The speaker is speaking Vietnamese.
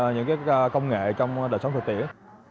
những công nghệ trong đời sống thực tiễn